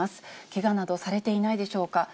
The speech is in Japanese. けがなどされていないでしょうか。